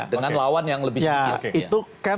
dengan lawan yang lebih sedikit